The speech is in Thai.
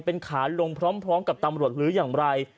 เป็นขาลงพร้อมกับตำรวจหรืออย่างไร